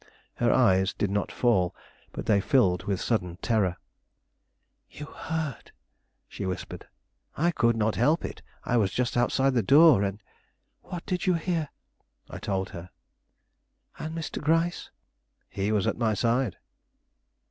Her eyes did not fall, but they filled with sudden terror. "You heard?" she whispered. "I could not help it. I was just outside the door, and " "What did you hear?" I told her. "And Mr. Gryce?" "He was at my side."